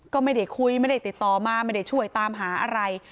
ก็ไม่ได้คุยไม่ได้ติดต่อมาไม่ได้ช่วยตามหาอะไร